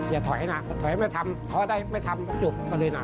อย่าถอยนะถอยไม่ทำท้อได้ไม่ทำจบก็เลยน่ะ